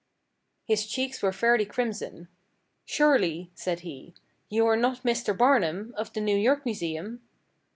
His cheeks were fairly crimson; "surely," said he, "you are not Mr. Barnum, of the New York Museum?"